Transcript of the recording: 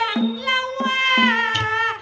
อะไรน่ะ